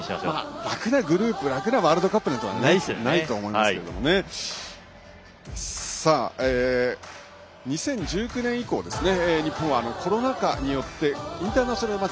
楽なグループ楽なワールドカップはないと思いますが２０１９年以降日本はコロナ禍によってインターナショナルマッチ